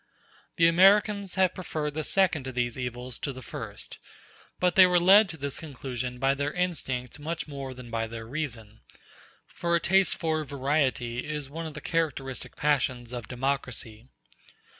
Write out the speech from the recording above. The Americans have preferred the second of these evils to the first; but they were led to this conclusion by their instinct much more than by their reason; for a taste for variety is one of the characteristic passions of democracy.